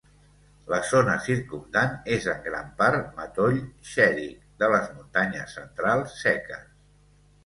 La zona circumdant és en gran part, matoll xèric de les muntanyes centrals seques.